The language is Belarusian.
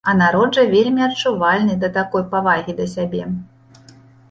А народ жа вельмі адчувальны да такой павагі да сябе.